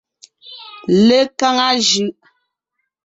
Lekaŋa jʉʼ.